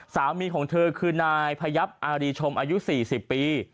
สามีของเธอคือนายพยับอารีชมอายุ๔๐ปี